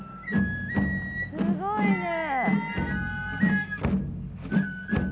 すごいね。